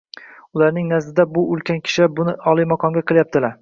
ularning nazdida, bu «ulkan kishilar» buni oliy maqomda qilyaptilar ham.